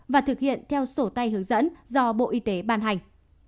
và thực hiện theo sổ tay hướng dẫn do bộ y tế ban hành